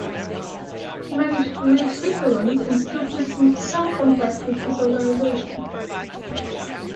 He managed to reach Switzerland and still keep some contact with his organisation.